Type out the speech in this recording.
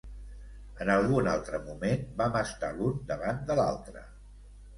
En algun altre moment vam estar l'un davant de l'altre.